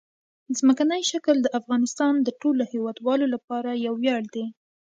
ځمکنی شکل د افغانستان د ټولو هیوادوالو لپاره یو ویاړ دی.